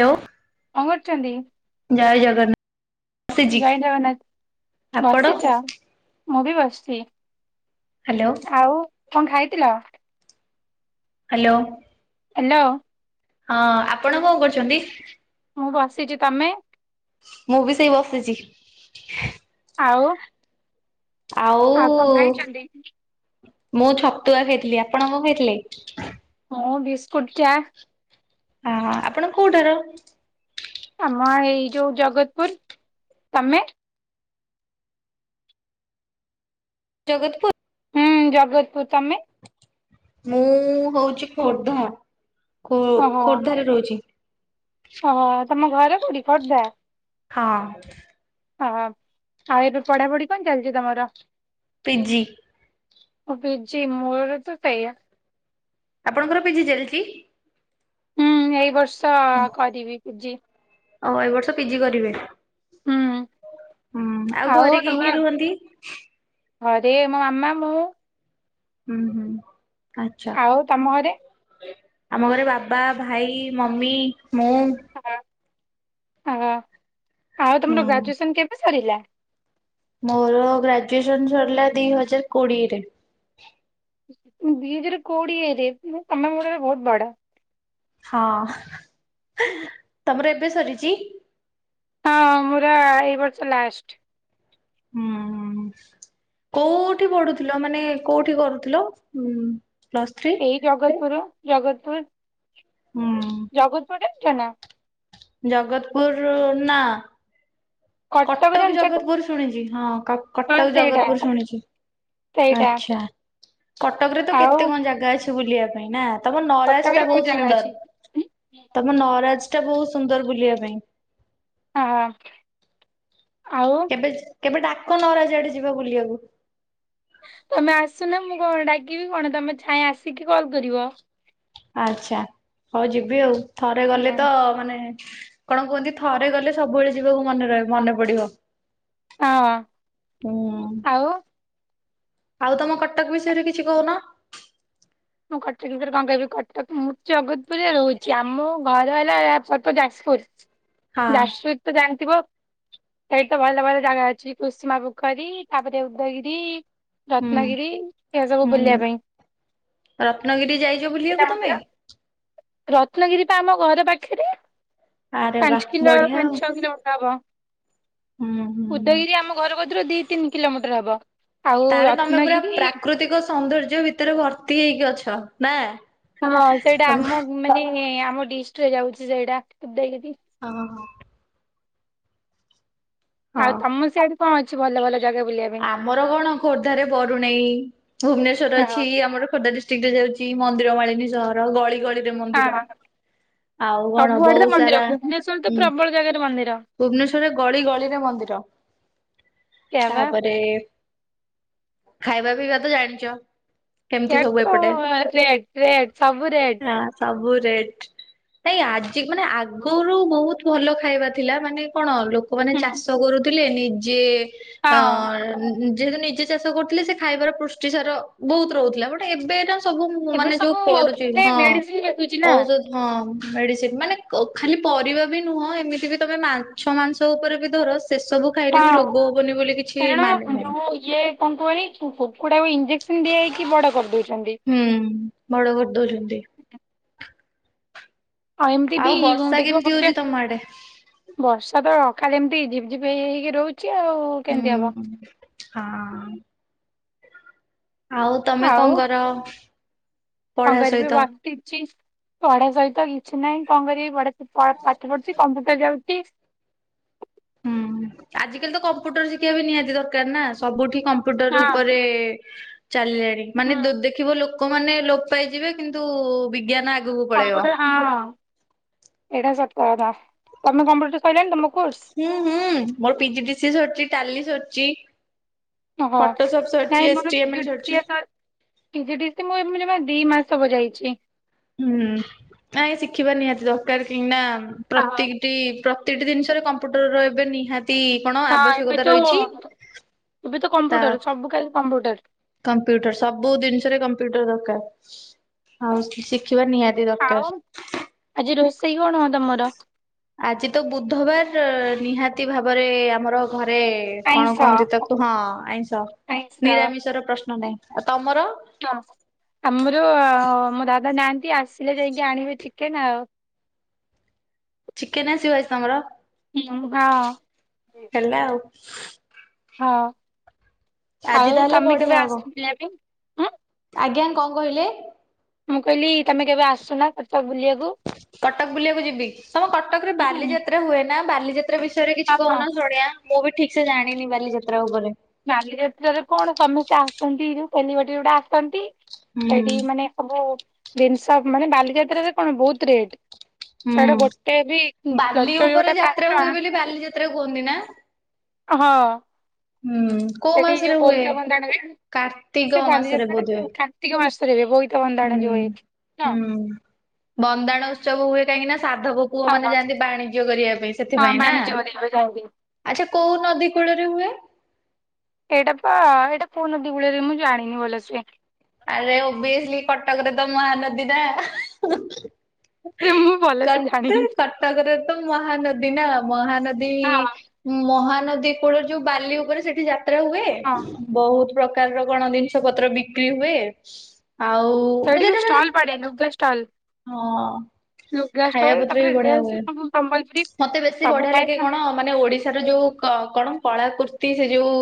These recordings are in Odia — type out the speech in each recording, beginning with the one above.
[unintelligible] ଲୋ। କଁ କରୁଚନ୍ତି? ଜଗନ୍ନାଥ ଆସିଛି ଜୟ ଜଗନ୍ନାଥ୍ ଆପଣ ବସିଚ। ମୁଁ ବି ବସିଚି। ହାଲୋ। ଆଉ କଁ ଖାଇତିଲ? ହାଲୋ। ଏଲୋ। ହଁ ଆପଣ କଁ କରୁଚ଼ନ୍ତି? ମୁଁ ବସିଚି ତମେ? ମୁଁ ବି ସେଇ ବସିଚି। ଆଉ। ଆଉ କଣ ଖାଇଛନ୍ତି? ମୁଁ ଛତୁଆ ଖାଇଥିଲି ଆପଣ କଁ ଖାଇଥିଲେ? ହଁ ଭିସ୍କୁଟ୍ ଚା। ଅଁ ହ ଆପଣ କୋଉଟାର? ଆମ ଏଇ ଯୋଉ ଜଗତପୁର ତମେ? ଜଗତପୁର୍ ଜଗତପୁର୍ ତମେ। ମୁଁ ହୋଉଛି ଖୋର୍ଦ୍ଧା ଖୋ ଖୋର୍ଦ୍ଧାରେ ରହୁଛି। ଅହ ତମ ଘର କୋଉଠି ଖୋର୍ଦ୍ଧା। ହଁ। ହଁ ଆଉ ଏବେ ପଢାପଢି କଣ ଚାଲିଛି ତମର? ପିଜି। ବିଜି ମୂଳରୁ ତ ସେଇଆ। ଆପଣଙ୍କର ପିଜି ଚାଲିଚି? ହୁଁ ଏଇ ବର୍ଷ କରିବି ପିଜି। ଅଉ ଏ ବର୍ଷ ପିଜି କରିବି। ହୁଁ ଆଉ ଘରେ କିଏ କିଏ ତମେ ରୁହନ୍ତି? ଘରେ ମୋ ମାମା ମୁଁ। ହୁଁ ହୁଁ ଆଚ୍ଛା। ଆଉ ତମ ଘରେ ଆମ ଘରେ ବାବା ଭାଇ ମମି ମୁଁ। ହଁ ହଁ ଆଉ ତୁମର ହୁଁ ଗ୍ରାଜୁଏସନ୍ କେବେ ସରିଲା? ମୋର ଗ୍ରାଜୁଏସନ୍‌ ସରିଲା ଦି ହଜାର୍ କୋଡିଏରେ। ଦି ହଜାରେ କୋଡିଏରେ ମୁଁ ତମ ଠାରୁ ବହୁତ ବଡ଼। ହଁ। ହୁଁ ହୁଁ। ତମର ଏବେ ସରିଚି? ହଁ ମୋର ଏଇ ବର୍ଷ ଲାଷ୍ଟ। ଉଁ ହୁଁ। କୋଉଠି ପଢୁଥିଲ ମାନେ କୋଉଠି କରୁଥିଲ ଉଁ ପ୍ଲସ୍ ଥ୍ରୀ? ଏଇ ଜଗତପୁରୁ ଜଗତପୁରୁ। ହୁଁ। ଜଗତପପୁର୍ ଜାଣିଚ ନା? ଜଗତପୁରୁ ନା। କଟକ ଜାଣିଛ ତ? ଜଗତପୁରୁ ଶୁଣିଛି ହଁ ହଁ କଟକ ସେଇଟା ଜଗତପୁରୁ ଶୁଣିଛି। ସେଇଟା ଆଚ୍ଛା କଟକରେ ତ ଆଉ କେତେ କଣ ଜାଗା ଅଛି ବୁଲିବା ପାଇଁ ନା? ତମ ନରାଜ କଟକରେ ଟା ବହୁତ ଜାଗା ଅଛି। ସୁନ୍ଦର ତମ ନରାଜ ଟା ବହୁତ ସୁନ୍ଦର ବୁଲିବା ପାଇଁ। ଆହା। ଆଉ କେବେ କେବେ ଡାକ ଅରାଜ ଆଡେ ଯିବା ବୁଲିବାକୁ। ତମେ ଆସୁନ ମୁଁ କଣ ଡାକିବି କଣ ତମେ ଛାଇଏଁ ଆସିକି କଲ୍ କରିବ,। ଆଚ୍ଛା ହୋଉ ଯିବି ଆଉ ଥରେ ଗଲେ ହଁ ତ ମାନେ କଣ କୁହନ୍ତି ଥରେ ଗଲେ ସବୁବେଳେ ଯିବାକୁ ମନେ ରହ ମନେ ପଡିବ? ଉଁମ୍। ଆଉ ଆଉ ତମ କଟକ ବିଷୟରେ କିଛି କହୁନ? ମୁଁ କଟକ ଭିତରେ କଣ କହିବି କଟକ ମୁଁ ଜଗତପୁରୁରେ ରହୁଛି ଆମ ଘରେ ରହିଲେ ଏ ଫୋଟୋ ଯାଜପୁର ହଁ ଯାଜପୁର ତ ଜାଣିଥିବ। ସେଇଠି ତ ଭଲ ଭଲ ଜାଗା ଅଛି କୁଶୁମା ପୋଖରୀ ତାପରେ ଉଦୟଗିରି। ହୁଁ ରତ୍ନାଗିରି ଏହା ସବୁ ବୁଲିବା ହୁଁ ପାଇଁ। ରତ୍ନଗିରି ଯାଇଛ ବୁଲିବାକୁ ତମେ? ରତ୍ନଗିରି ବା ଆମ ଘର ପାଖରେ ଆରେ ବା ପାଞ୍ଚ କିଲୋ ବଢିଆ ପାଞ୍ଚ ଆଉ ଛଅ କିଲୋ ମିଟର ହେବ,। ହୁଁ ହୁଁ। ଉଦୟଗିରି ଆମ ଘରରୁ ଦି ତିନି କିଲୋମିଟର ହବ। ଆଉ ତାହେଲେ ତମେ ପୁରା ରତ୍ନଗିରି ପ୍ରାକୃତିକ ସୌନ୍ଦର୍ଯ୍ୟ ଭିତରେ ଭର୍ତ୍ତି ହେଇକି ଅଛ ନା? ହଁ ସେଇଟା ତମ ଆମ ମାନେ ଆମ ଡିଷ୍ଟରେ ଯାଉଛି ସେଇଟା ଉଦୟଗିରି। ଅହ। ଆଉ ହଁ। ତମ ସିଆଡେ କଣ ଅଛି ଭଲ ଭଲ ଜାଗା ବୁଲିବା ପାଇଁ? ଆମର କଣ ଖୋର୍ଦ୍ଧାରେ ବରୁଣେଇ ଭୁବନେଶ୍ଵରରେ ହଁ ଅଛି ଆମର ଖୋର୍ଦ୍ଧା ଡିସ ଦିଇଟା ଯାଉଛି ମନ୍ଦିର ମାଳିନୀ ସହର ଗଳି ଗଳିରେ ମନ୍ଦିର। ହଁ ଆଉ କଣ ସବୁଆଡେ ତ ବହୁତ ସାରା ମନ୍ଦିର ଭୁବନେଶ୍ୱରରେ ତ ହୁଁ ପ୍ରବଳ ଜାଗାରେ ମନ୍ଦିର। ଭୁବନେଶ୍ଵରରେ ଗଳି ଗଳିରେ ମନ୍ଦିର ସେୟା ବା। ତାପରେ ଏ ଖାଇବା ପିଇବା ତ ଜାଣିଛ। କେମିତି ସିଇଆଡେ ସବୁ ତ ଏପଟେ ରେଟ୍ ରେଟ୍ ସବୁ ରେଟ୍। ହଁ ସବୁ ରେଟ୍ ନାଇଁ ଆଜିକୁନା ଆଗରୁ ବହୁତ ଭଲ ଖାଇବା ଥିଲା ମାନେ କଣ ଲୋକମାନେ ଚାଷ କରୁଥିଲେ ନିଜେ ଅ ହଁ ନିଜକୁ ନିଜେ ଚାଷ କରୁଥିଲେ ସେ ଖାଇବାର ପୁଷ୍ଟି ସାର ବହୁତ ରହୁଥିଲା ବୋଟ୍ ଏବେ ସବୁ ଏବେ ମାନେ ଯୋଉ ସବୁ ପଡୁଛି ମାନେ ହଁ ମେଡିସିନ ଦେଖୁଛି ନା। ଔଷଧ ହଁ ମେଡିସିନ ମାନେ ଖାଲି ପରିବା ବି ନୁହଁ ଏମିତିରେ ତମେ ମାଛ ମାଂସ ଉପରେ ବି ଧର ସେସବୁ ଖାଇରେ ବି ହଁ ରୋଗ ହବନି ବୋଲି କିଛି କାରଣ ମାନେ ନାହିଁ। ଯୋଉ ଇଏ କକୁହନି କୁକୁଡାକୁ ଇଞ୍ଜେକ୍ସନ ଦିଆ ହେଇକି ବଡ଼ କରିଦଉଛନ୍ତି। ହୁଁ ବଡ଼ କରି ଦଉଛନ୍ତି। ଆଉ ଏମିତି ବି ବର୍ଷା ଦେଖିବ କେମିତି ଗୋଟେ ହଉଛି ତମ ଆଡେ? ବର୍ଷା ତ ଖାଲି ଏମିତି ଝିପି ଝିପି ହେଇ ହେଇକି ରହୁଛି ଆଉ କେମିତି ହବ। ହୁଁ ହଁ। ଆଉ ତମେ ଆଉ କଣ କର? କଣ ପଢା କରିବି ସହିତ? ବସିଛି ପଢ଼ା ସହିତ କିଛି ନାହିଁ କଣ କରିବି ପଢ଼ା କଣ ପାଠ ପଢ଼ୁଛି କମ୍ପ୍ୟୁଟର ଯାଉଛି। ହୁଁ ଆଜିିକାଲି ତ କମ୍ପ୍ୟୁଟର ଶିଖିବା ବି ନିହାତି ଦରକାର ନା ସବୁଠି କମ୍ପ୍ୟୁଟର ହଁ ଉପରେ ଚାଲିଲାଣି ମାନେ ଦୁ ଦେଖିବ ଲୋକମାନେ ଲୋପ ପାଇଯିବେ କିନ୍ତୁ ବିଜ୍ଞାନ ଆଗକୁ ପଳେଇବ। କମ୍ପ୍ୟୁଟର ହଁ ହଁ ଏଇଟା ସତକଥା ତମେ କମ୍ପ୍ୟୁଟର ସରିଲାଣି ତମ କୋର୍ସ? ହୁଁ ହୁଁ ମୋର P G D C A ସରିଛି ଟାଲି ସରିଛି। ଓହୋ ଖଟୋ ସବୁ ଛାଡୁଛି ଚିଏ ଡି ଏ ମନେ ଛାଡୁଛି। ପି ଜି ଡ଼ି ସି ମୁଁ ଏବେ ଜମା ଦି ମାସ ହବ ଯାଇଛି। ହୁଁ ନାଇ ଶିଖିବା ନିହାତି ଦରକାର କାହିଁକି ନା ହଁ ପ୍ରତି ପ୍ରତିଟି ଜିନିଷରେ କମ୍ପ୍ୟୁଟର ରହିବେ ନିହାତି ତି କଣ ହଁ, ଏବେ ଆବଶ୍ୟକତା ତ ରହିଛି ଏବେ ତ ତା କମ୍ପ୍ୟୁଟର ସବୁ କାଲି କମ୍ପ୍ୟୁଟର। କମ୍ପ୍ୟୁଟର ସବୁ ଜିନିଷରେ କମ୍ପ୍ୟୁଟର ଦରକାର ଆଉ ଶିଖିବା ନିହାତି ଆଉ ଦରକାର। ଆଜି ରୋଷେଇ କଣ ହବ ତମର? ଆଜି ତ ବୁଧବାର ନିହାତି ଭାବରେ ଆମର ଘରେ କଣ ଆଇଁଷ କହନ୍ତି ତାକୁ ହଁ ଆଇଁଷ ହନି ଆଇଁଷ ନିରାମିଷ ର ପ୍ରଶ୍ନ ନାହିଁ ଆଉ ତମର? ଆମର ମୋ ଦାଦା ନାହାନ୍ତି ଆସିଲେ ଯାଇକି ଆଣିବେ ଚିକେନ୍ ଆଉ। ଚିକେନ୍ ଆସିବ ଆଜି ତମର? ଇମ୍ ଭାଅ ହେଲା ଆଉ। ହଁ। ଆଜି ଆଉ ତାହେଲେ ତମେ ବଢିଆ କେବେ ହବ ଆସିଥିଲ ଆଗେ ଉଁ। ଆଜ୍ଞା କଣ କହିଲେ? ମୁଁ କହିଲି ତମେ କେବେ ଆସୁନା କଟକ ବୁଲିବାକୁ? କଟକ ବୁଲିବାକୁ ଯିବି ତମ କଟକ ରେ ହୁଁ, ବାଲିଯାତ୍ରା ହୁଏ ନା ବାଲିଯାତ୍ରା ବିଷୟରେ ହଁ କିଛି ହଁ କହୁନ ଶୁଣିଆ। ମୁଁ ବି ଠିକ୍ ସେ ଜାଣିନି ବାଲିଯାତ୍ରା ଉପରେ। ନାଲି ଯାତ୍ରାରେ କଣ ସମସ୍ତେ ଆସନ୍ତି ଜଉ ସେଲିିବେତି ଗୋଡ଼ା ଆସନ୍ତି ସେଠି ହୁଁ ମାନେ ସବୁ ଜିନିଷ ମାନେ ବାଲିଯାତ୍ରରେ କଣ ବହୁତ୍ ରେଟ୍। ଛାଡ ହୁଁ। ଗୋଟେ ବି କଲଚର୍ ଯଉଟା ପାଞ୍ଚ ଟଙ୍କା କେରେ କୁହନ୍ତି ନା। ହଁ। ହୁଁ କୋଉ ସେଠି ଯୋଉ ମାସରେ ହୁଏ? ବୋଇତ ବନ୍ଦାଣ ହୁଏ କାର୍ତ୍ତିକ ସେ ମାସରେ ବାଲିଯାତ୍ରାଟା ବୋଧେ କେଉଁ ଠା କାର୍ତ୍ତିକ ମାସରେ ହୁଏ ବୋଇତ ହୁଁ। ବନ୍ଦାଣ ଯୋଉ ହୁଏ ଏଠି। ହୁଁ ବନ୍ଦାଣ ଉତ୍ସବ ହୁଏ କାହିଁକି ନା ସାଧବ। ପୁଅ ମାନେ ହଁ ଯାଆନ୍ତି ବାଣିଜ୍ୟ କରିବା ପାଇଁ ହଁ ସେଥିପାଇଁ ନା। ବାଣିଜ୍ୟ ମେଳାରେ ଯାଆନ୍ତି ଆଚ୍ଛା କୋଉ ନଦୀ କୂଳରେ ହୁଏ। ଏଇଟା ପା ଏଇଟା କୋଉ ନଦି କୂଳରେ ହୁଏ ମୁଁ ଜାଣିନି ଭଲ ସେ। ଆରେ ଓଭିଏସଲି କଟକରେ ତ ମହାନଦୀ ନା। ସେ ମୁଁ ଭଲସେ କଟ ଜାଣିନି କଟକରେ ତ ମହାନଦୀ ନା ମହାନଦୀ। ହଁ ମହାନଦୀ କୂଳ ରେ ଯୋଉ ବାଲି ଉପରେ ସେଠି ଯାତ୍ରା ହୁଏ। ହଁ ବହୁତ ପ୍ରକାରର କଣ ଜିନିଷ ପତ୍ର ବିକ୍ରି ହୁଏ ଆଉ। ମାନେ ସେଇଠ ବି ସେଟା ଷ୍ଟଲ ମାନେ ପଡେ ନୁଗା ଷ୍ଟଲ। ହଁ। ଲୁଗା ଖାଇବା ଷ୍ଟଲ ପତ୍ର ବି ତାପରେ ବଢିଆ ହୁଏ। ଡ୍ରେସ ସବୁ ସମ୍ବଲପୂରୀ। ମତେ ବେଶୀ ବଢିଆ ଲାଗେ କଣ ମାନେ ଓଡିଶାର ଯୋଉ କ କଣ କଳା କୃର୍ତି ସେ ଯୋଉ।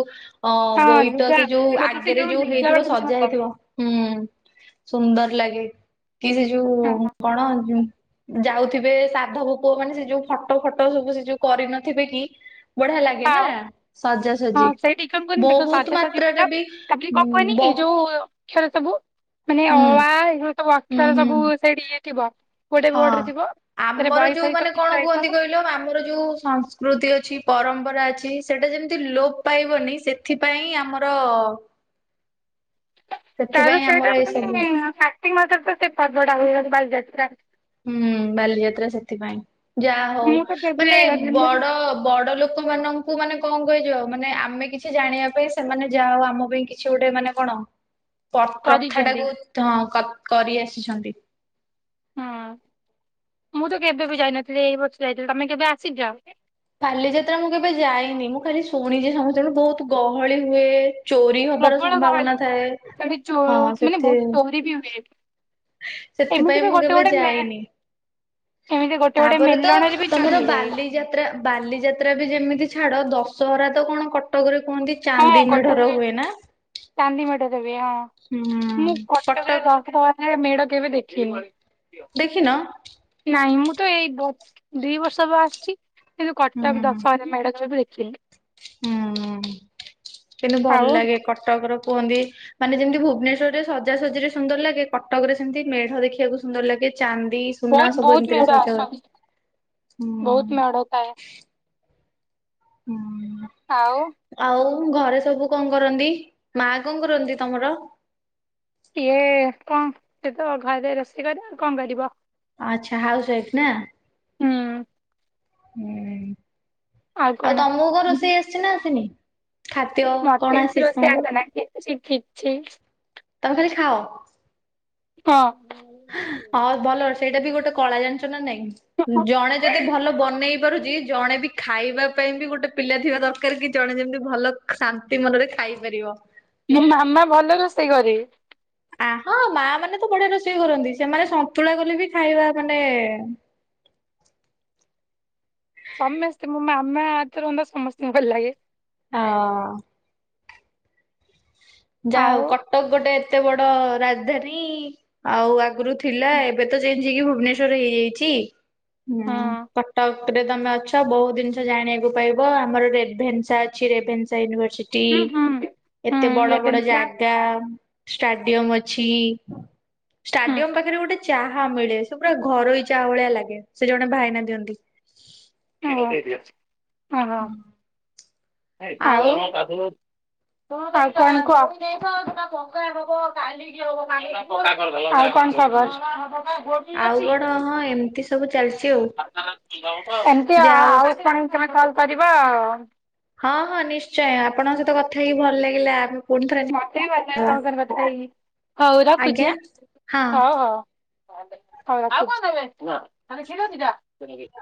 ଅଁ ହଁ ବୋଇତ ଲୁଗା ସେ ଯୋଉ ମତେ ସେ ଆଗେରେ ଯୋଉ ଲୁଗା ଗୁଡା ହେଇଥିବ ଭୀଷଣ ସଜା ଭଲ ହେଇଥିବ ହୁଁ। ସୁନ୍ଦର ଲାଗେ। କି ସେ ଯୋଉ ଲାଗେ। କଣ ଯାଉଥିବେ ସାଧବ ପୁଅ ମାନେ ସେ ଯୋଉ। ଫଟୋ ଫଟ ସବୁ ସେ ଯୋଉ କରିନଥିବେ କି। ବଢିଆ ଲାଗେ ହଁ ନା ହଁ ହଁ ସାଜାସଜି ସେଇଠି କଣ କୁହନି ଦେଖ ବହୁତ ସଜାସଜି ମାତ୍ରରେ କଲ ବି ତାପରେ କଣ ହୁଁ କୁହନି ବ ଏଇ ଯୋଉ। ଅକ୍ଷର ସବୁ ମାନେ ଅ, ହୁଁ ଆ ଏଇ ଯୋଉ ସବୁ ହୁଁ ଅକ୍ଷର ହୁଁ। ସବୁ ସେଠି ଇଏ ଥିବ। ଗୋଟେ ବୋର୍ଡ ହଁ ରେ ଥିବ ସେଥିରେ ଆମର ବହି ଯୋଉ ଫହି ସବୁ ମାନେ କଣ ଚିତ୍ର କୁହନ୍ତି ହେଇଥିବ କହିଲ ଆମ୍ ଆମର ଯେଉ ସଂସ୍କୃତି ଅଛି ପରମ୍ପରା ଅଛି ସେଇଟା ଯେମିତି ଲୋପ ପାଇବନି ସେ ଥିପାଇଁ ଆମର। ତାର ସେଥିପାଇଁ ଆମର ଏଇ ସେଟାପୁଣି ସବୁ କାତ କତ୍ତିକ ମାସରେ ସେ ସଜଡ଼ା ହୁଏ ବାଲା ଯାତ୍ରା। ହୁଁ ବାଲିଯାତ୍ରା ସେଥିପାଇଁ। ଯା ହଉ ମୁଁ ତ କେବେ ମାନେ ଯାଇନଥିଲି ମୁଁ ବଡ ବଡ ଲୋକମାନଙ୍କ ଙ୍କୁ ମାନେ କଣ କୁହାଯିବ ମାନେ ଆମେ କିଛି ଜାଣିବା ପାଇଁ ସେମାନେ ଯା ହଉ ଆମ ପାଇଁ କିଛି ଗୋଟେ ମାନେ କଣ। ପ ପ୍ରଥା କରିଛନ୍ତି ଟାକୁ କ କରି ଆସିଛନ୍ତି। ହଁ ମୁଁ ତ କେବେ ବି ଯାଇନଥିଲି ଏଇ ବର୍ଷ ଯାଇଥିଲି। ତମେ କେବେ ଆସିଚ? ବାାଲିଯାତ୍ରା ମୁଁ କେବେ ଯାଇନି ମୁଁ ଖାଲି ଶୁଣିଛି ସମସ୍ତେୁ ବହୁତ ଗହଳି ହୁଏ। ଚୋରି ହବାର ପ୍ରବଳ ସମ୍ଭାବନା ଗହଳି ଥାଏ ହଁ ସେଥି ରି ବି ହୁଏ। ଏମିତି ସେଥିପାଇଁ ବି ମୁଁ ଗୋଟେ କେବେ ଗୋଟେ ମେ ଯାଇନି। ଏମିତି ଗୋଟେ ଗୋଟେ ତାହାପରେ ତ ମେଲଣରେ ବି ଚୋରି ତମର ହେଇଯାଏ ବାଲିଯାତ ତ୍ରା ବାଲିଯାତ୍ରା ବି ଯେମିତି ଛାଡ ଦଶହରା ତ କଣ କଟକରେ କୁହନ୍ତି। ହଁ ଚାନ୍ଦି ମେଢର କଟକରେ ହୁଏ ନା। ଚାନ୍ଦି ମେଢ ରେ ହୁଏ ହଁ ମୁଁ କଟକ ରେ ଦଶରା ରେ ମେଢ କେବେ ଦେଖିନି। ଦେଖିନ। ନାଇଁ ମୁଁ ତ ଏଇ ବ ଦି ବର୍ଷ ହବ ଆସିଛି। କିନ୍ତୁ ହୁଁ କଟକ ଦଶହରା ମେଢ଼ ସବୁ ଦେଖିନି। ହୁଁ କିନ୍ତୁ ଭଲ ଆଉ ଲାଗେ କଟକ ର କୁହନ୍ତି। ମାନେ ଯେମିତି ଭୁବନେଶ୍ଵରରେ ସଜାସଜରେ ସୁନ୍ଦର ଲାଗେ କଟକ ରେ ସେମିତି ମେଢ ଦେଖିବାକୁ ସୁନ୍ଦର ଲାଗେ ଚାନ୍ଦି। ସୁନା ବହୁତ ସବୁ ବହୁତ ଏମିତିରେ ମେଢ ସଜା ହଏ ଆସନ୍ତି ହୁଁ। ବହୁତ ମେଢ ଥାଏ ହୁଁ। ଆଉ। ଆଉ ଘରେ ସବୁ କଣ କରନ୍ତି ମା କଣ କରନ୍ତି ତମର? ସିଏ କଣ ସେ ତ ଘରେ ରୋଷେଇ କରିବ କଣ କରିବ? ଆଚ୍ଛା ହାଉସୱାଇଫ୍ ନା? ହୁଁ। ହୁଁ ଆଉ ତମକୁ କଣ ରୋଷେଇ ଆସିଛି ନା ଆସିନି ଖା ମତେ କିଛି ରୋଷେଇ ଆସେନା କିଛି କିଛି ତମେ ଖାଲି ଖାଅ। ହଁ। ହଉ ଭଲ ସେଇଟା ବି ଗୋଟେ କଳା ଜାଣିଚ ନା ନାଇଁ ଜଣେ ଯଦି ଭଲ ବନେଇ ପାରୁଛି ଜଣେ ବି ଖାଇବା ପାଇଁ ବି ଗୋଟେ ପିଲା ଥିବା ଦରକାର କି ଜଣେ ଯେମତି ଭଲ ଶାନ୍ତି ମନରେ ଖାଇପାରିବ। ମୋ ମାମା ଭଲ ରୋଷେଇ କରେ। ଆ ହଁ ମା ମାନେ ତ ବଢିଆ ରୋଷେଇ କରନ୍ତି ସେମାନେ ସନ୍ତୁଳା କଲେ ବି ଖାଇବା ମାନେ ସମେସ୍ତେ ମୋ ମାମା ହାତ ରନ୍ଧା ସମସ୍ତିଙ୍କୁ ଭଲ ଲାଗେ। ହଁ। ଯାହା ହଉ ଆଉ କଟକ ଗୋଟେ ଏତେ ବଡ ରାଜଧାନୀ ଆଉ ଆଗରୁ ଥିଲା ଏବେ ତ ଚେଞ ହେଇକି ଭୁବନେଶ୍ୱର ହେଇଯାଇଛି ହୁଁ ହଁ କଟକ ଏଥିରେ ତମେ ଅଛ ବହୁ ଜିନିଷ ଜାଣିବାକୁ ପାଇବ ଆମର ରେଭେନ୍ସା ଅଛି ରେଭେନ୍ସା ୟୁନିଭର୍ସି ଫ୍ରି ହୁଁ ଏତେ ବଡ ହୁଁ ଏବେ ନିଶା ଟା ଷ୍ଟାଡିୟମ ଅଛି ଷ୍ଟାଡିୟମ ପାଖରେ ଗୋଟେ ଚାହା ମିଳେ ସେ ପୁରା ଘରୋଇ ଚାହା ଭଳିଆ ଲାଗେ ସେ ଜଣେ ଭାଇନା ଦିଅନ୍ତି। ଓ ଓହୋ। ଆଉ କଣ କହ? ଆଉ କଣ ଖବର? ଏମତି ଆଉ କଣ ଆ ହଁ ଏମିତି ସବୁ ଆଉ ଚାଲିଛି ଆଉ ଫୁଣି ଯେ ତମେ ଆଉ କଲ କରିବ? ହଁ, ହଁ ନିଶ୍ଚୟ ଆପଣଙ୍କ ସହିତ କଥା ହେଇକି ଭଲ ଲାଗିଲା। ପୁଣି ଥରେ ନିଶ୍ଚୟ ହବା। ହଉ ଆଜ୍ଞା ରଖୁଛି। ହଁ। ହଉ ରଖୁଚି।